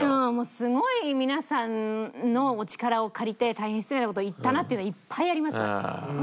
すごい皆さんのお力を借りて大変失礼な事を言ったなというのはいっぱいありますよ。